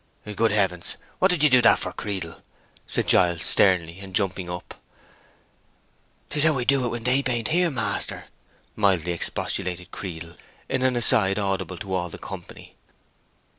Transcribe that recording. "Good heavens! what did you do that for, Creedle?" said Giles, sternly, and jumping up. "'Tis how I do it when they baint here, maister," mildly expostulated Creedle, in an aside audible to all the company.